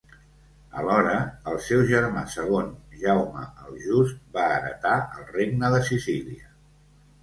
Alhora, el seu germà segon, Jaume el Just va heretar el Regne de Sicília.